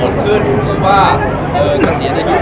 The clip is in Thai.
๓ข้อกี่ข้อเราให้เชื่อว่าเราบูริสุทธิ์นะครับ